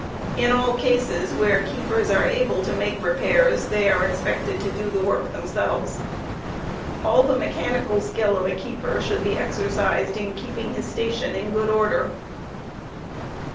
In all cases where keepers, are able to make repairs they are expected to do the work themselves. All the mechanical skill of a keeper should be exercised in keeping his station in good order.